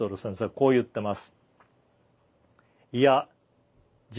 こう言ってます。